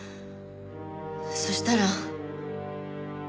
そしたら。